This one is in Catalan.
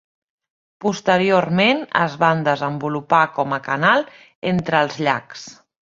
Posteriorment es va desenvolupar com a canal entre els llacs.